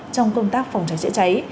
trong công tác phòng cháy chữa cháy